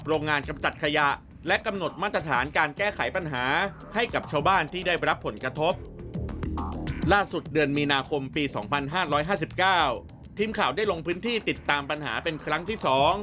ให้กับชาวบ้านที่ได้รับผลกระทบล่าสุดเดือนมีนาคมปี๒๕๕๙ทีมข่าวได้ลงพื้นที่ติดตามปัญหาเป็นครั้งที่๒